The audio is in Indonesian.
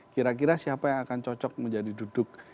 kira kira siapa yang akan cocok menjadi duduk